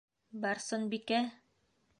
Барсынбикә!